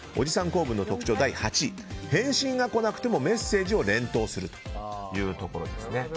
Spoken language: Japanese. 構文の特徴第８位返信が来なくてもメッセージを連投するというところ。